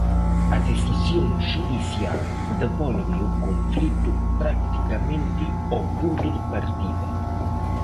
A decisión xudicial devolve o conflito practicamente ao punto de partida.